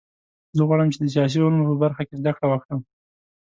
زه غواړم چې د سیاسي علومو په برخه کې زده کړه وکړم